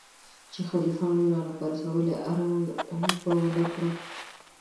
چې خلیفه مې را نه پرزولی آرام به ونه کړم.